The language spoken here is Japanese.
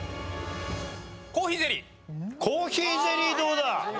コーヒーゼリーどうだ？